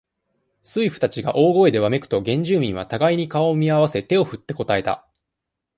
水夫たちが大声でわめくと、原住民は、互いに顔を見合わせ、手を振って答えた。